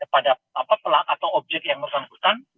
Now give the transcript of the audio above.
kepada apa pelak atau objek yang bersangkutan